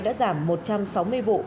đã giảm một trăm sáu mươi vụ